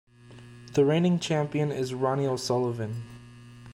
The reigning champion is Ronnie O'Sullivan.